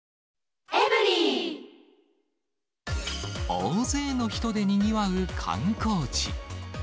大勢の人でにぎわう観光地。